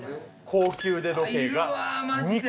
高級腕時計が２個。